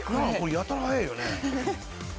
やたら速いよね。